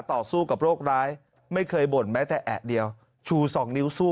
ต่อสู้กับโรคร้ายไม่เคยบ่นแม้แต่แอะเดียวชูสองนิ้วสู้